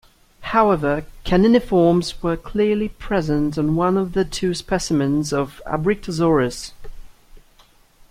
However, caniniforms were clearly present on one of the two specimens of "Abrictosaurus".